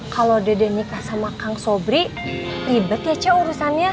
kalau dede nikah sama kang sobri ribet ya cak urusannya